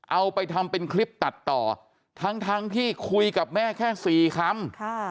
เอาไปทำเป็นคลิปตัดต่อทั้งที่คุยกับแม่แค่๔คำ